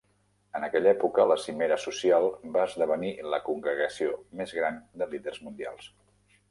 En aquella època, la cimera social va esdevenir la congregació més gran de líders mundials.